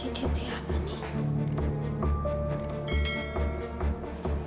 cintin siapa nih